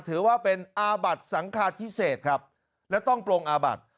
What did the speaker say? ถือว่าเป็นอาบัติสังคาพิเศษครับและต้องปรงอาบัติ